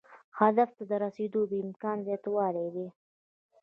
هدف ته د رسیدو د امکان زیاتوالی دی.